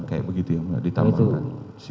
kayak begitu yang ditambahkan